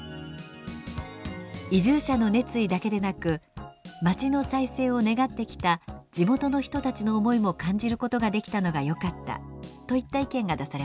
「移住者の熱意だけでなく街の再生を願ってきた地元の人たちの思いも感じることができたのがよかった」といった意見が出されました。